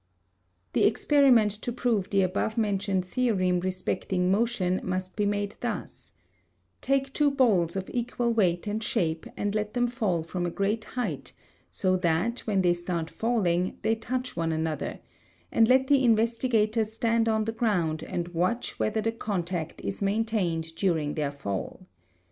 The experiment to prove the above mentioned theorem respecting motion must be made thus: Take two balls of equal weight and shape and let them fall from a great height so that when they start falling they touch one another, and let the investigator stand on the ground and watch whether the contact is maintained during their fall.